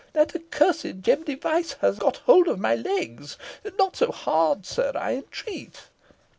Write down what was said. That accursed Jem Device has got hold of my legs. Not so hard, sir, I entreat."